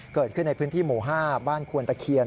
เกิดขึ้นในพื้นที่หมู่๕บ้านควนตะเคียน